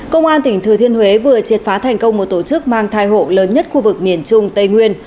công an tỉnh thừa thiên huế vừa triệt phá thành công một tổ chức mang thai hộ lớn nhất khu vực miền trung tây nguyên